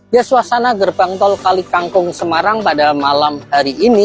yeswasana gerbang tol kalikangkung semarang pada malam hari ini